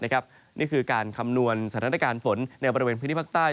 นี่คือการคำนวณสถานการณ์ฝนในบริเวณพื้นที่ภาคใต้